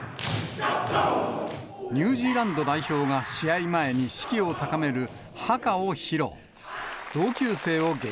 ニュージーランド代表が試合前に士気を高める、ハカを披露。